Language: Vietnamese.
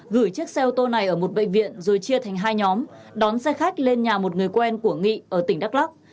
gửi chiếc xe ô tô này ở một bệnh viện rồi chia thành hai nhóm đón xe khách lên nhà một người quen của nghị ở tỉnh đắk lắc